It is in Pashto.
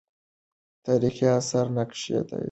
تاریخي آثار نقش یې تایید کړ.